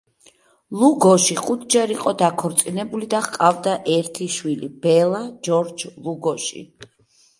ლუგოში ხუთჯერ იყო დაქორწინებული და ჰყავდა ერთი შვილი, ბელა ჯორჯ ლუგოში.